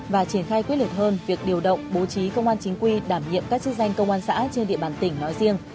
và triển khai quyết liệt hơn việc điều động bố trí công an chính quy đảm nhiệm các chức danh công an xã trên địa bàn tỉnh nói riêng